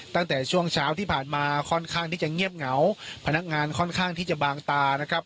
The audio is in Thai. ตั้งแต่ช่วงเช้าที่ผ่านมาค่อนข้างที่จะเงียบเหงาพนักงานค่อนข้างที่จะบางตานะครับ